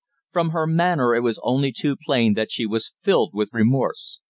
From her manner it was only too plain that she was filled with remorse.